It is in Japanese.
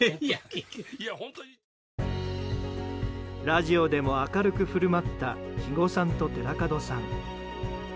ラジオでも明るく振る舞った肥後さんと寺門さん。